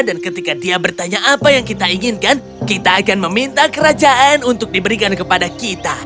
dan ketika dia bertanya apa yang kita inginkan kita akan meminta kerajaan untuk diberikan kepada kita